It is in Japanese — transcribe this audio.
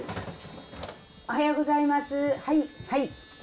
おはようございます。